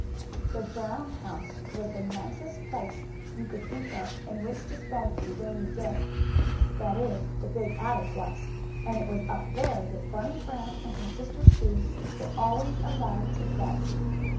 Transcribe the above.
The Brown house was the nicest place you could think of in which to spend a rainy day, that is the big attic was, and it was up there that Bunny Brown and his sister Sue were always allowed to play.